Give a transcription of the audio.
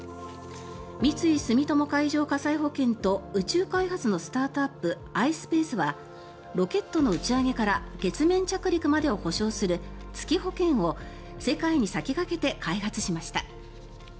三井住友海上火災保険と宇宙開発のスタートアップｉｓｐａｃｅはロケットの打ち上げから月面着陸までを補償する月保険を世界に先駆けて開発しました。